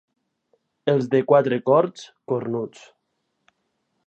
Els de Quatrecorts, cornuts.